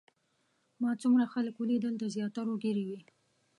ما څومره خلک ولیدل د زیاترو ږیرې وې.